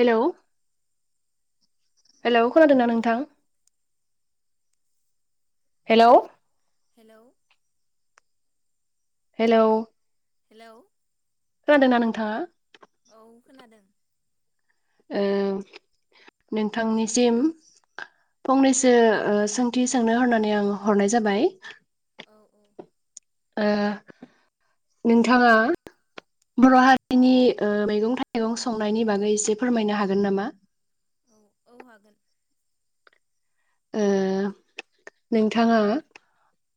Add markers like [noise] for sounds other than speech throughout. Hello hello खोनादोंना नोंथां hello hello hello hello खोनादों ना नोंथाङा औ खोनादों ओ नोंथांनिसिम फंनैसो ओ सोंथि सोंनो हननानै आं हरनाय जाबाय। औ औ ओ नोंथांङा बर' हारिनि ओ मैगं-थाइगं संनायनि बागै एसे फोरमायनो हागोन नामा? औ औ हागोन। ओ नोंथाङा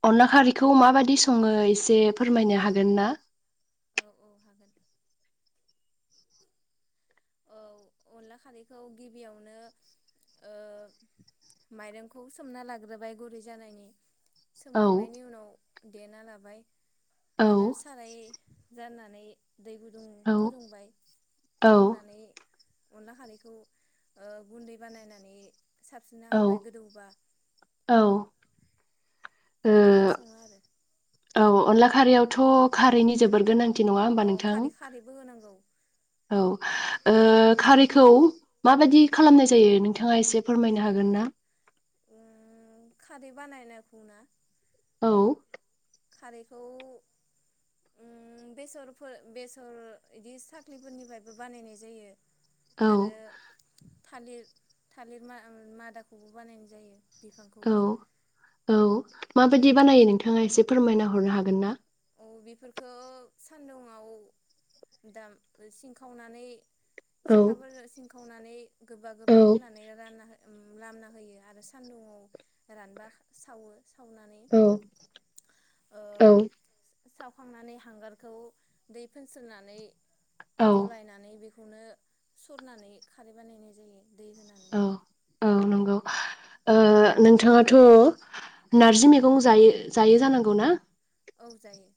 अनला खारैखौ माबायदि सङो एसे फोरमायनो हागोन ना? औ औ हागोन औ अनला खारैखौ गिबियावनो ओ माइरंखौ सोमना लाग्रोबाय गुरै जानायनि। औ सोमखांनायनि उनाव देना लाबाय। औ आरो साराय जान्नानै दै गुदुं औ फुदुंबाय औ फुदुंनानै अनला खारैखौ ओ गुन्दै बानायनानै साबसिनना औ होबाय गोदौबा। औ ओ बिदिनो सङो आरो औ अनला खारैयावथ' खारैनि जोबोर गोनां थि नङा होमबा औ नोंथां। खारै खारैबो होनांगौ औ ओ खारैखौ माबायदि खालामनाय जायो नोंथाङा एसे फोरमायनो हागोन ना? ओ खारै बानायनायखौ ना? औ। खारैखौ उम बेसरफोर बेसर इदि साख्लिफोरनिफ्रायबो बानायनाय जायो। औ आरो थालिर थालिर माद-मादाखौबो बानायनाय जायो। औ बिफांखौबो औ। माबायदि बानायो नोंथाङा एसे फोरमायना हरनो हागोन ना? बेफोरफोरखौ सानदुुंङाव दाम सिनखावनानै औ सेखाफोर सिं खावनानै गोबा औ गोबा खामनानै रानना हो लामना होयो आरो सान्दुङाव रानबा सावो। सावनानै औ ओ औ सावखांनानै हांगारखौ दै फोनस्रोनानै औ गलायनानै बेख खौनो सरनानै खारै बानायनाय जायो दै होनानै औ औ नंगौ ओ नोंथाङाथ' नारजि मेगं जायो जायो जानांगौ ना? औ जायो।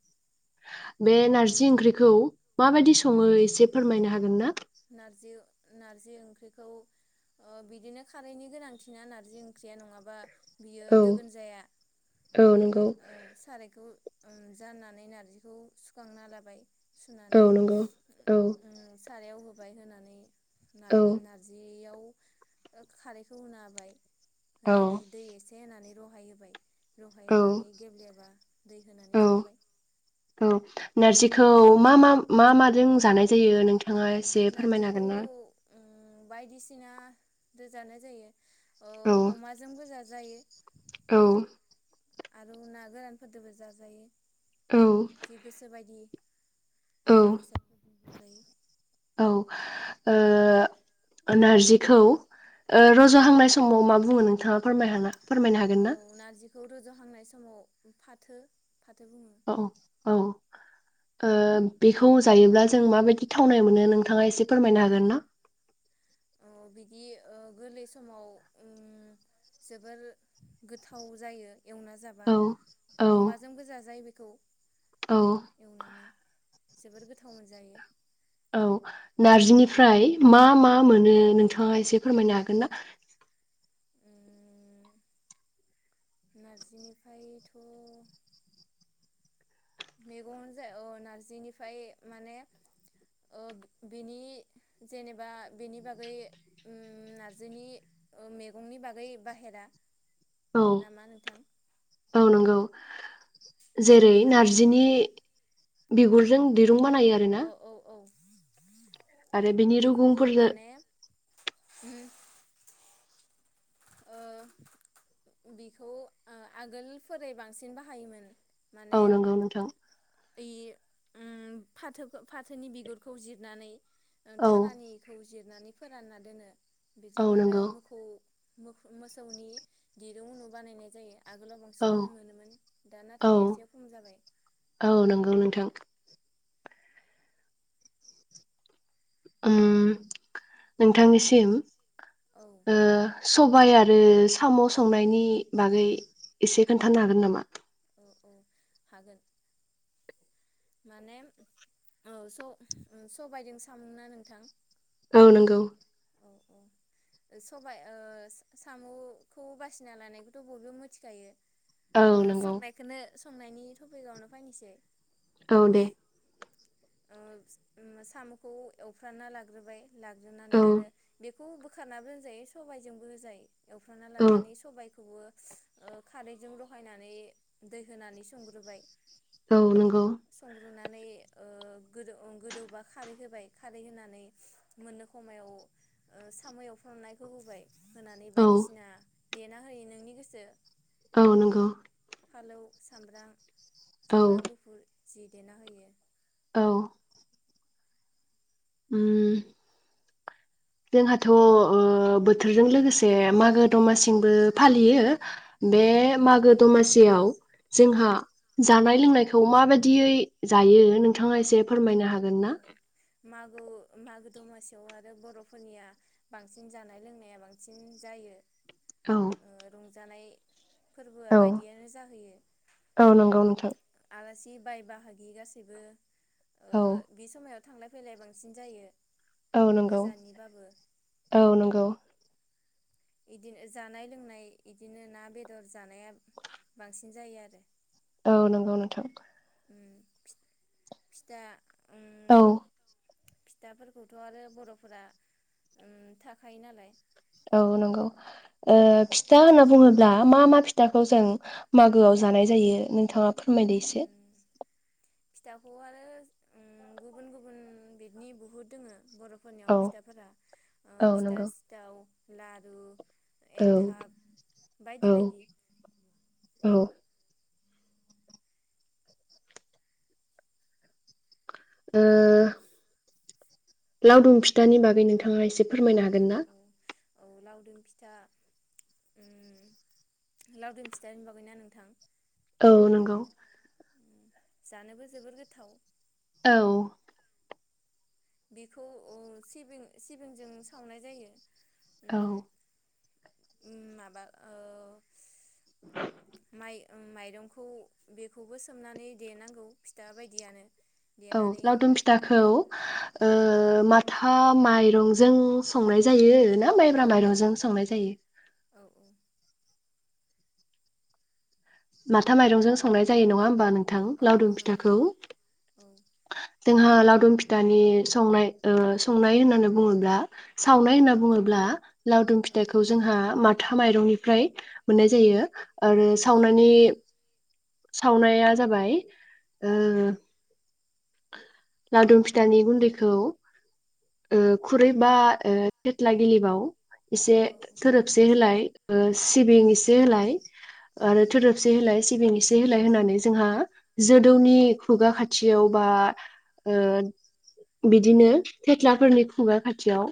बे नारजि ओंख्रिखौ माबायदि औ सङो एसे फोरमायनो हागोन ना? नारजि नारजि ओंख्रिखौ ओ बिदिनो खारैनि गोनांथिना नारजि ओंख्रिया नङाबा बियो औ दोगोन जाया औ नंगौ औ सारायखौ उम जाननानै नारजिखौ सुखांना लाबाय। सुनानै गौ औ। उम [unintelligible] होनानै औ नार-नारजियाव। खारैखौ होनो होबाय। औ होनानै दै एसे। एसे होनानै रहाय होबाय। रहाय होनानै औ गेब्लेबा दै होनानै औ संबाय। औ नारजिखौ मा मा मा माजों जानाय जायो नोंथ नारजिखौ ओम बायदिसि सिना दो जानाय जायो। औ अमाजोंबो जाजा जायो। औ। आरो ना गोरानफोरजोंबो जाजायो। औ जि गोसो बायदि औ मुवा बेसादफोर जायो। औ ओ नारजिखौ ओ- रज'हांनाय समाव मा बुङो नोंथाङा फोरमायहा फोरमायनो हागोन ना? जहांनाय समाव फाथो। फाथो बुङो औ औ। ओ- बेखौ जायोब्ला जों माबायदि थावनाय मोनो नोंथाङा एसे फोरमायनो हागोन ना?। बिदि ओ- गोरलै समाव ओम जोबोर गोथाव जायो। एवना जाबा औ औ अमाजोंबो जाजायो बे खौ। औ। जोबोर गोथाव मोनजायो। औ नारजिनिफ्राय मा मा मोनो नोंथाङा एसे फोरमायनो हागोन ना? ओम नारजिनिफ्रायथ' मैगं जाय अ-नार्जिनिफ्राय माने ओ-बेनि जेनेबा बेनि बागै ओम नारजिनि ओ- मैगंनि बागै बाहेरा। औ नामा नोंथां? औ नंगौ औ जेरै नारजि नारजिनि। बिगुरजों दिरुं बानायो आरो ना। [inaudible] बेखौ रुगुंफोरजों माने ओम ओ- बिखौ ओ-आगोलनिफोरै बांसिन बाहायोमोन। औ माने नंगौ नोंथां ओइ। ओम फाथोखो- फाथोनि बिगुरखौ जिरनानै ओं औ थारानिखौ जिरनानै फोरानना दोनो। औ बेजों आरो नंगौ मोखौ मोखौ मोसौनि दिरुं उनु बानायनाय जायो। आगोलाव औ बांसिन मोनोमोन दा औ नाथाय एसे खम जाबाय। औ नंगौ नोंथां ओम नोंथांनिसिम औ ओ सबाय आरो साम' संनायनि बागै एसे खोन्थानो हागोन नामा? औ-औ हागोन। माने औ स ओं सबायजों सामुना नोंथां? औ नंगौ। औ-औ ओ सबाइ ओ सा साम'खौ बासिना लानायखौथ' बयबो मोथिखायो। औ ओ नंगौ संनायखोनो संनायनि थपिकावनो फायनोसै औ दे, ओ ओम साम'खौ एवफ्राना लाग्रोबाय औ लाग्रोनानै आरो बेख खौ बोखारनाबो होनजायो सबायजोंबो होजायो। एवफ्राना औ लानानै सबायखौबो ओ खारैजों रहायनानै दै होनानै संग्रोबाय। औ नंगौ, नै ओ गोदौ ओं गोदौबा खारै होबाय खारै होनानै मोननो खमायाव ओ साम'एवफ्रामनायखौ होबाय। होनानै औ बायदिसिना देना होयो नोंनि गोसो औ नंगौ, फालौ सामब्राम औ सामब्राम गुफुर जि देना होयो। औ ओम जोंहाथ' ओ बोथोरजों लोगोसे मागो- दमासिमबो फालियो। बे औ मागो-दमासि, सियाव औ जोंहा जानाय लोंनायखौ माबायदियै जायो नोंथाङा एसे फोरमायनो हागोन ना? मागो-मागो दमासियाव आरो बर'फोरनिया बांसिन जानाय लोंनाया बांसिन जायो। औ ओ रंजानाय फोरबोआ औ बायदियानो जाहैयो औ नंगौ नोंथां आरो सि बाय बाहागि गासिबो ओ औ बे समयाव थांलाय फैलाय बांसिन जायो। औ नंगौ गोजाननिबाबो औ नंगौ। इदिनो जानाय लोंनाय इदिनो ना बेदर जानाया बांसिन जायो आरो। औ नंगौ नोंथां। फि फिथा उम औ। फिथाफोरखौथ' आरो बर'फोरा ओम थाखायो नालाय। औ नंगौ ओ फिथा होनना बुङोब्ला मा मा फिथाखौ जों मागोआव जानाय जायो नोंथाङा फोरमायदो इसे। उम फिथाखौ आरो ओम गुबुन गुबुन बिदनि बहुद दोङो। औ बर'फोरनियाव फिथाफोरा ओ औ फिथा नंगौ सिथाव लारु। औ एनथाब बायदि औ बायदि। औ ओ लावदुम फिथानि बागै नोंथाङा एसे फोरमायनो औ हागोन ना? औ औ लावदुम फिथा ओम लावदुम फिथानिबागैना नोंथां? औ नंगौ। जानोबो जोबोर गोथाव। औ। बेखौ ओ सिबिं सिबिंजों सावनाय जायो। औ। उ माबा ओ। माइ। माइरंखौ बेखौबो सोमनानै देनांगौ फिथा बायदियानो। औ देनानै लावदुम फिथाखौ ओ माथा माइरंजों संनाय जायो ना औ माइब्रा औ माइरंजों संनाय जायो? औ माथा माइरंजों संनाय जायो नङा होनबा नों नोंथां औ औ लावदों नंगौ फिथाखौ? नंगौ औ जोंहा लावदुम फिथानि संनाय ओ संनाय होननानै बुङोब्ला सावनाय होनना बुङोब्ला लावदुम औ फिथाइखौ जोंहा माथ था माइरंनिफ्राय मोननाय जायो। आरो औ सावनानै सावनाया जाबाय ओ! लावदुम फिथानि गुन्दैखौ ओ खुरै बा ओ थेथ्ला गिलिबाव एसे सोरोबसे होलाय ओ सिबिं एसे होलाय औ आरो थोदोबसे होलाय सिबिं इस से होलाय होनानै जोंहा जोदौनि खुगा खाथियाव बा ओ बिदिनो थेथ्लाफोरनि खुगा खाथियाव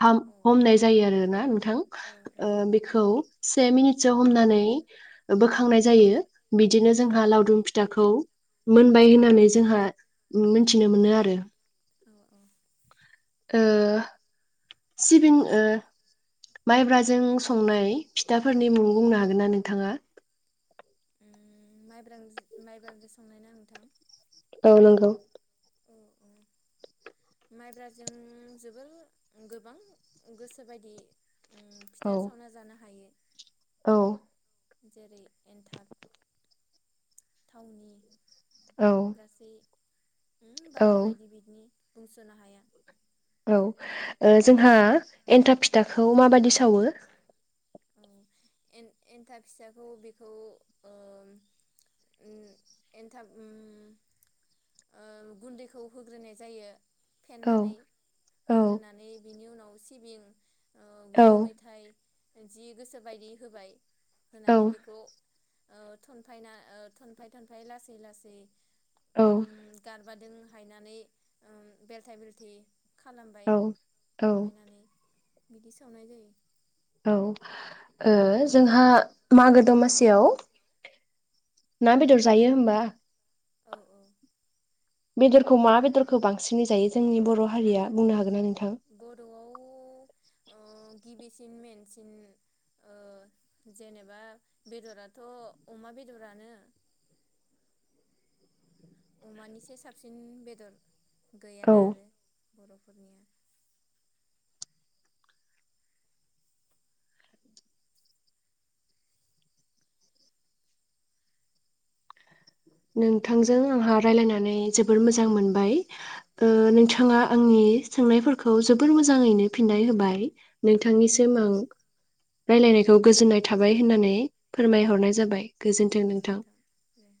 हाम औ औ हमनाय जायो आरोना नों थां ओ बेखौ से मिनिटसो हमनानै बोखांनाय जायो बिदिनो जोंहा लावदुम फिथाखौ मोनबाय होननानै जोंहा उम मोन्थिनो मोनो आरो। औ औ। ओ सिबिं ओ माइब्राजों संनाय फिथाफोरनि मुं बुंनो हागोनना नोंथाङा? उम माइब्रा जोस माइब्राजो संनायना नोंथां? औ नोंगौ। औ औ माइब्राजों जोबोर गोबां गोसो बायदि उम औ फिथा सावना जानो हायो। औ जेरै एन्थाब थावनि औ गासै उम बायदि बायदि औ बिदनि। बुंस'नो हाया। औ ओ जोंहा एन्थाब फिथाखौ माबादि सावो? औ एन-एन्थाब फिसाखौ बेखौ ओम उम एन्थाब उम ओ गुन्दैखौ होग्रोनाय जायो। औ फेन्नानै औ होग्रोनानै बिनि उनाव औ सिबिं ओ औ गुरु मेथाय जि गोसो बायदि होबाय। औ होनानै बेखौ औ थनफायना ओ थनफाय थनफाय लासै लासै औ बादों हायनानै ओम बेल्थाय बेल्थि खालामबाय औ औ थनफायनानै। बिदि सावनाय जायो। औ ओ जोंहा मागो दमासियाव ना बेदर जायो होमबा? औ औ। बेदरखौ मा बेदरखौ बांसिनै जायो जोंनि बर' हारिया बुंनो हागोनना नों बर'आव ओ गिबिसिन मेेनसिन ओ जेनेबा बेदराथ' अमा बेदरानो। अमानिसे साबसिन बेदर औ गैयाना आरो बर'फोरनिया नोंथांजों आंहा रायलायनानै जोबोर मोजां मोनबाय। ओ औ नोंथां नोंथाङा आंनि सोंनायफोरखौ जोबोर मोजाङैनो फिननाय होबाय। औ नोंथांनिसिम आं रायलायनायखौ गोजोननाय थाबाय होननानै फोरमायहरनाय जाबाय। गोजोन्थों औ नोंथां। दे